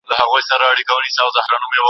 لوستې مور د ماشومانو د پوستکي ساتنه کوي.